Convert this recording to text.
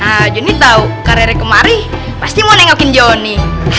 nah juni tahu kak rere kemari pasti mau nengokin joni